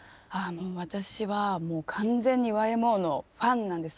私はもう完全にＹＭＯのファンなんですね。